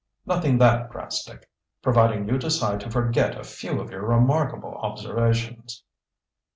"Nothing that drastic, providing you decide to forget a few of your remarkable observations."